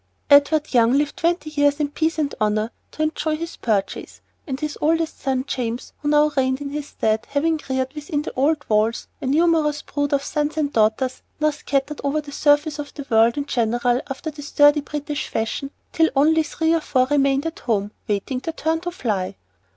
Edward Young lived twenty years in peace and honor to enjoy his purchase, and his oldest son James now reigned in his stead, having reared within the old walls a numerous brood of sons and daughters, now scattered over the surface of the world in general, after the sturdy British fashion, till only three or four remained at home, waiting their turn to fly.